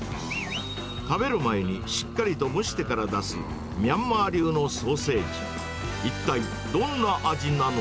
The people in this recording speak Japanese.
食べる前にしっかりと蒸してから出すミャンマー流のソーセージ。